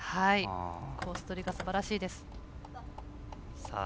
コースとりがすばらしいです。